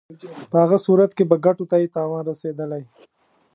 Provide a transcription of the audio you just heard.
په هغه صورت کې به ګټو ته یې تاوان رسېدلی.